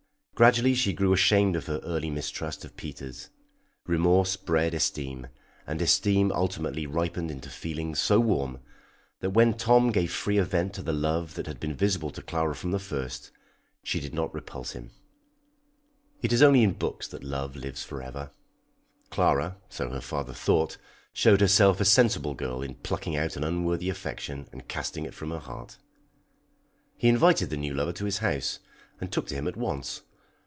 Gradually she grew ashamed of her early mistrust of Peters; remorse bred esteem, and esteem ultimately ripened into feelings so warm, that when Tom gave freer vent to the love that had been visible to Clara from the first, she did not repulse him. [Illustration: "SHE DID NOT REPULSE HIM."] It is only in books that love lives for ever. Clara, so her father thought, showed herself a sensible girl in plucking out an unworthy affection and casting it from her heart. He invited the new lover to his house, and took to him at once.